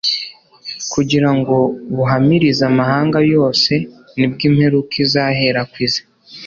kugira ngo buhamirize amahanga yose, nibwo imperuka izaherako ize."